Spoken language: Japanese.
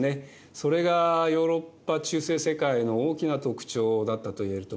それがヨーロッパ中世世界の大きな特徴だったといえると思います。